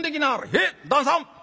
「へえ旦さん！」。